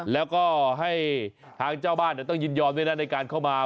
แล้วก็ให้ทางเจ้าบ้านต้องยินยอมด้วยนะในการเข้ามา